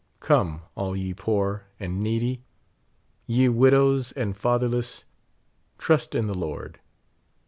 Come, all ye poor and needy, ye widows and fatherless, trust in the Lord.